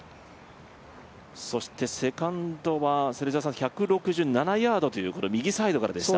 そしてセカンドは１６７ヤードという右サイドからでした。